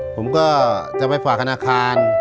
ผมก็จะไปฝากธนาคาร